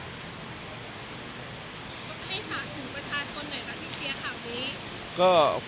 อยากให้ฝากถึงประชาชนหน่อยค่ะที่เชียร์ข่าวนี้